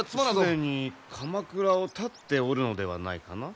既に鎌倉をたっておるのではないかな？